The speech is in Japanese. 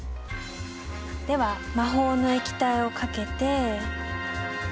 では魔法の液体をかけて。